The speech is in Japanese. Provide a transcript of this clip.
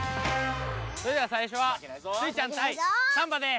それじゃさいしょはスイちゃんたいサンバです！